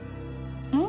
うん？